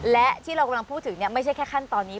และที่เรากำลังพูดถึงไม่ใช่แค่ขั้นตอนนี้